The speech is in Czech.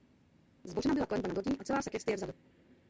Zbořena byla klenba nad lodí a celá sakristie vzadu.